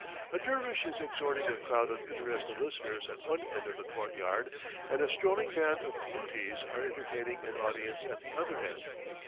A dervish is exhorting a crowd of interested listeners at one end of the court yard, and a strolling band of lutis are entertaining an audience at the other end.